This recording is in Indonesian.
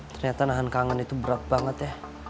ternyata nahan kangen itu berat banget ya